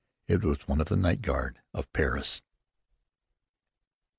It was one of the night guard of Paris.